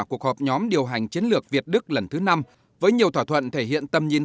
cuộc họp nhóm điều hành chiến lược việt đức lần thứ năm với nhiều thỏa thuận thể hiện tầm nhìn